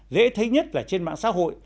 dễ thấy nhất là trên mạng xã hội